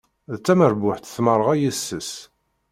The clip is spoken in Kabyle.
D tamerbuḥt tmeɣra yes-s.